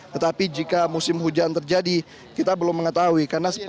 tetapi jika musim hujan terjadi kita belum mengetahui